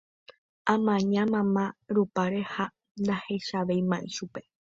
amaña mama rupáre ha ndahechavéima chupe